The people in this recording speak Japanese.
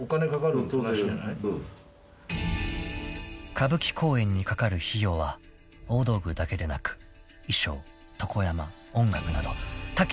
［歌舞伎公演にかかる費用は大道具だけでなく衣装床山音楽など多岐にわたります］